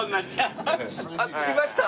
あっ着きました！